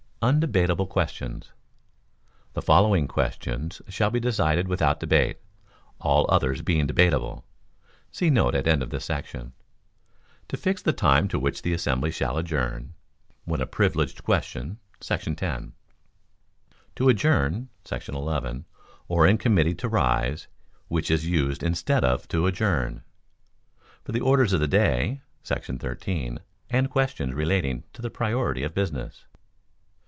Undebatable Questions. The following questions shall be decided without debate, all others being debatable [see note at end of this section]: —To Fix the Time to which the Assembly shall Adjourn (when a privileged question, § 10). —To Adjourn [§ 11], (or in committee, to rise, which is used instead of to adjourn). —For the Orders of the Day [§ 13], and questions relating to the priority of business.